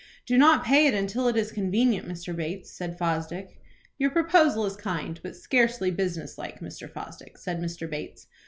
"Do not pay it until it is convenient, Mr. Bates," said Fosdick. "Your proposal is kind, but scarcely business like, Mr. Fosdick," said Mr. Bates.